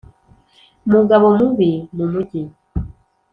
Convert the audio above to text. umugabo mubi mumujyi